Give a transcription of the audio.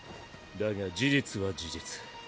だが事実は事実。